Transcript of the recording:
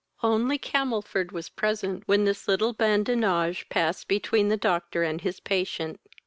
Only Camelford was present when this little badinage passed between the Doctor and his patient.